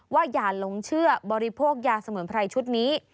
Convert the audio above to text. อย่าหลงเชื่อบริโภคยาสมุนไพรชุดนี้